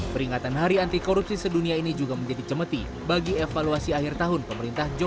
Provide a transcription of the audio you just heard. peringatan hari anti korupsi sedunia ini juga menjadi cemeti bagi evaluasi akhir tahun pemerintah